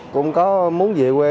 cũng có muốn về quê